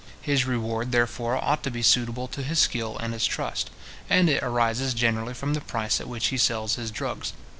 His reward, therefore, ought to be suitable to his skill and his trust; and it arises generally from the price at which he sells his drugs.